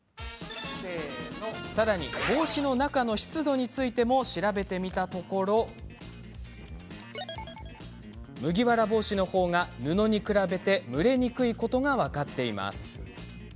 さらに帽子の中の湿度についても調べてみたところ麦わら帽子の方が布に比べて蒸れにくいことが分かっています。